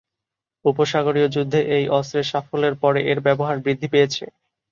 উপসাগরীয় যুদ্ধে এই অস্ত্রের সাফল্যের পরে এর ব্যবহার বৃদ্ধি পেয়েছে।